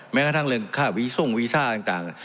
แม้กระทั่งเรื่องค่าวีซ่งวีซ่าต่าง